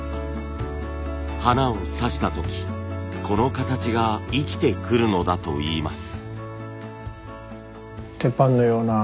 花をさした時この形が生きてくるのだといいます。